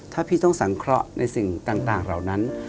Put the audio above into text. ถ้าพี่ต้องสังเคราะห์ในสิ่งต่างเหล่านั้น